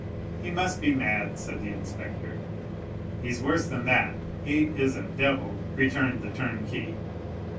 "He must be mad," said the inspector. "He is worse than that,—he is a devil!" returned the turnkey.